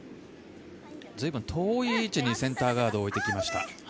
ずいぶん遠い位置にセンターガードを置いてきました。